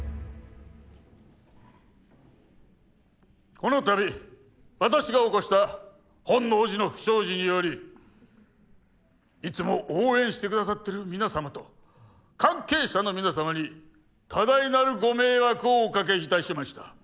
この度私が起こした本能寺の不祥事によりいつも応援して下さってる皆様と関係者の皆様に多大なるご迷惑をおかけいたしました。